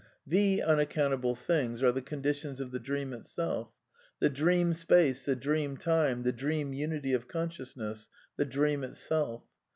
The unaccountable things are the conditions of the dream itself; the dream space, the dream time, the dream unity of consciousness, the dream itself.